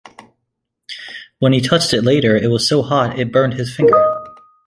When he touched it later, it was so hot it burned his finger.